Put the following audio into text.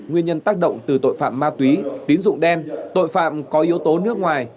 nguyên nhân tác động từ tội phạm ma túy tín dụng đen tội phạm có yếu tố nước ngoài